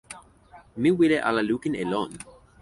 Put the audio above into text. mi wile ala lukin e lon.